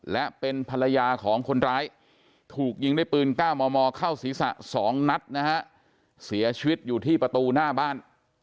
และเป็นภรรยาของคนร้ายถูกยิงด้วยปืน๙มมเข้าศีรษะ๒นัดนะฮะเสียชีวิตอยู่ที่ประตูหน้าบ้าน